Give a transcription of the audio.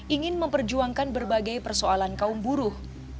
ingin memperjuangkan berbagai persoalan kaum buruh